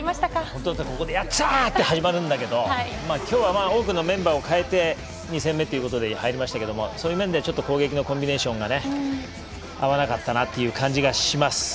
本当だったらやったー！って始まるんだけど今日は多くのメンバーを代えて２戦目っていうことで入りましたけどそういう面で攻撃のコンビネーションがね合わなかったなっていう感じがします。